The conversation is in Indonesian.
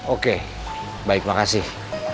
oke baik makasih